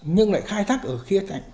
nhưng lại khai thác ở khía cạnh